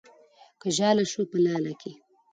که ژاله شوه په لاله کې